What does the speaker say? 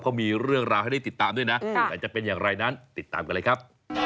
เขามีเรื่องราวให้ได้ติดตามด้วยนะแต่จะเป็นอย่างไรนั้นติดตามกันเลยครับ